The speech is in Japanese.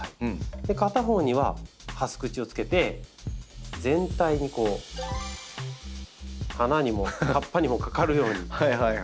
片方にはハス口をつけて全体にこう花にも葉っぱにもかかるように。